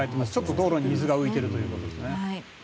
道路に水が浮いているということですね。